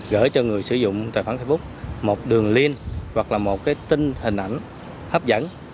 gửi cho người sử dụng tài khoản facebook một đường link hoặc là một tin hình ảnh hấp dẫn